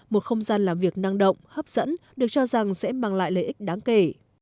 một không gian làm việc năng động hấp dẫn được cho rằng sẽ mang lại lợi ích đáng kể